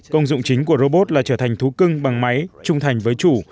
công dụng chính của robot là trở thành thú cưng bằng máy trung thành với chủ